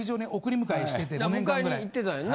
迎えに行ってたんやな。